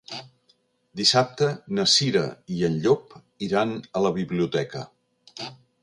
Dissabte na Cira i en Llop iran a la biblioteca.